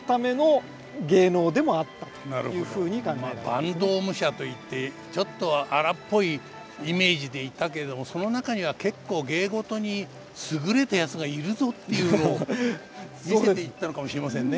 坂東武者といってちょっと荒っぽいイメージでいたけれどもその中には結構芸事に優れた奴がいるぞっていうのを見せていったのかもしれませんね。